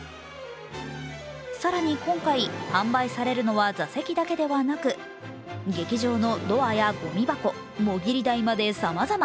更に今回、販売されるのは座席だけではなく、劇場のドアやごみ箱、もぎり台までさまざま。